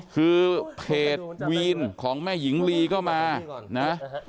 คือเพจวีนของแม่หญิงลีก็มานะ